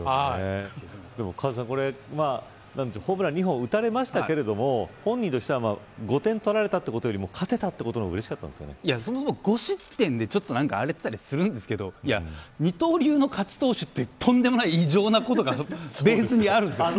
カズさん、これホームラン２本を打たれましたけど本人としては５点取られたということより勝てたことの方が５失点で荒れてたりするんですけど二刀流の勝ち投手ってとんでもない異常なことがベースにあるからね。